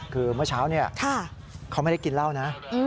คือเมื่อเช้าเขาไม่ได้กินเหล้านะ